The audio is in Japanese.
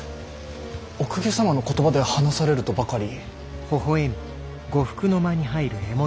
お公家様の言葉で話されるとばかり。